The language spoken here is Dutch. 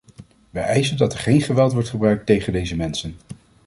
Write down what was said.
We eisen dat er geen geweld wordt gebruikt tegen deze mensen.